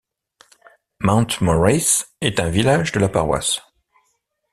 Mount Moritz est un village de la paroisse.